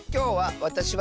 「わたしは」。